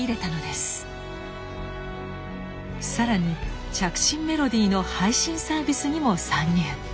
更に着信メロディーの配信サービスにも参入。